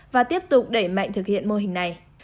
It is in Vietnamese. và tiếp tục đẩy mạnh thực hiện mô hình này